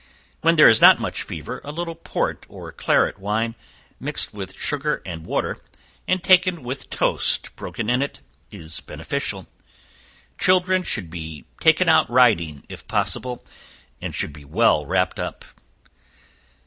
Where there is not much fever, a little port or claret wine, mixed with sugar and water, and taken with toast broken in it, is beneficial. Children should be taken out riding if possible, and should be well wrapped up.